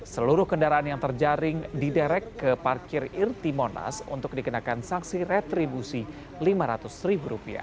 seluruh kendaraan yang terjaring diderek ke parkir irtimonas untuk dikenakan saksi retribusi lima ratus ribu rupiah